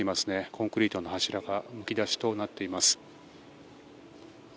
コンクリートの柱がむき出しとなっています。